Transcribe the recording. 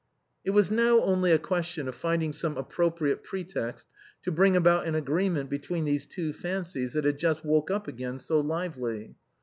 It was now only a question of finding some appropriate pretext to bring about an agreement between these two fancies that had Just woke up again so lively.